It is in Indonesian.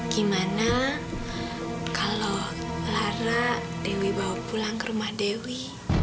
gimana kalau lara dewi bawa pulang ke rumah dewi